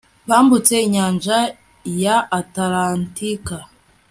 bambutse inyanja ya atalantika